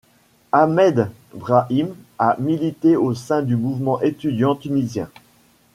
Ahmed Brahim a milité au sein du mouvement étudiant tunisien.